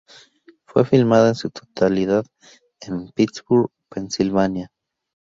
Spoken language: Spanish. Fue filmada en su totalidad en Pittsburgh, Pensilvania.